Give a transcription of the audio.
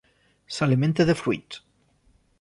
S'alimenta de fruits.